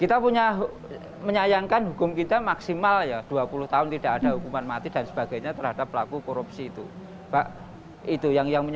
kita punya menyayangkan hukum kita maksimal ya dua puluh tahun tidak ada hukuman mati dan sebagainya terhadap pelaku korupsi itu